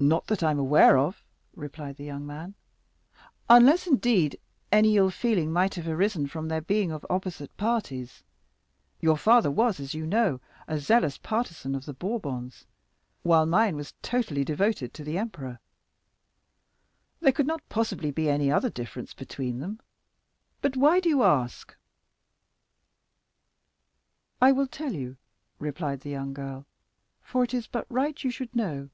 "Not that I am aware of," replied the young man, "unless, indeed, any ill feeling might have arisen from their being of opposite parties—your father was, as you know, a zealous partisan of the Bourbons, while mine was wholly devoted to the emperor; there could not possibly be any other difference between them. But why do you ask?" "I will tell you," replied the young girl, "for it is but right you should know.